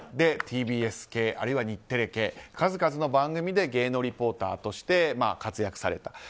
ＴＢＳ系、日テレ系の数々の番組で芸能リポーターとして活躍された。